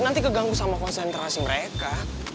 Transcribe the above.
nanti keganggu sama konsentrasi mereka